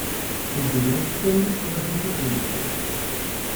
Sind Sie selbstständig oder sind Sie angestellt?